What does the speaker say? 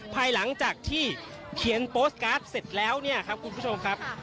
ภายหลังจากที่เขียนโปสตการ์ดเสร็จแล้วเนี่ยครับคุณผู้ชมครับ